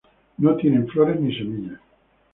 No tienen flores ni semillas.